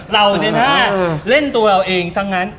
เราเนี่ยถ้าเล่นตัวเราเองทั้งนั้น